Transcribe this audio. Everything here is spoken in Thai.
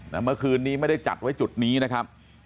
เมื่อคืนนี้ไม่ได้จัดไว้จุดนี้นะครับ